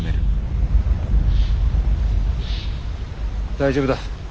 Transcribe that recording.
大丈夫だ。